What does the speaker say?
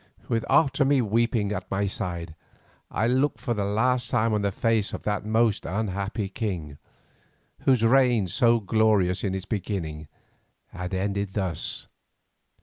With Otomie weeping at my side, I looked for the last time on the face of that most unhappy king, whose reign so glorious in its beginning had ended thus.